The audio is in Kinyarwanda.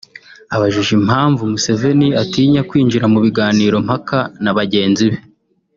Abajijwe impamvu Museveni atinya kwinjira mu biganiro mpaka na bagenzi be